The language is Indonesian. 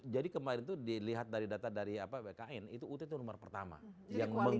jadi kemarin itu dilihat dari data dari bkn itu ut itu nomor pertama yang mengisi